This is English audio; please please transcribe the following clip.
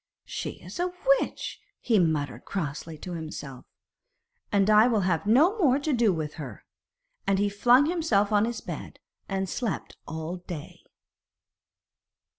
'She is a witch,' he muttered crossly to himself, 'and I will have no more to do with her.' And he flung himself on his bed and slept all day.